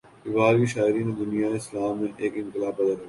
اقبال کی شاعری نے دنیائے اسلام میں ایک انقلاب پیدا کر دیا۔